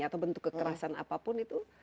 atau bentuk kekerasan apapun itu